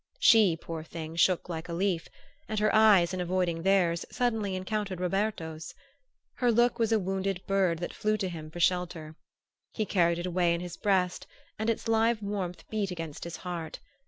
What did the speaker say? She, poor thing, shook like a leaf, and her eyes, in avoiding theirs, suddenly encountered Roberto's. Her look was a wounded bird that flew to him for shelter. He carried it away in his breast and its live warmth beat against his heart.